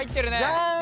ジャン。